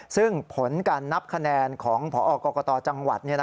ซึ่งผลการนับคะแนนของพอกรกตจังหวัด